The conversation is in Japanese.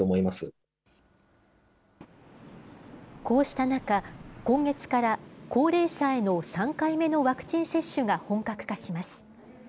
こうした中、今月から高齢者への３回目のワクチン接種が本格化します。